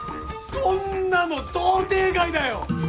そんなの想定外だよ！